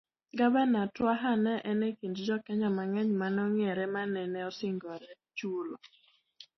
Gavana Twaha ne en e kind jokenya mang'eny manong'ere manene osingore chulo